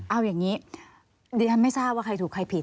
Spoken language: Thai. เอาอย่างนี้ดิฉันไม่ทราบว่าใครถูกใครผิด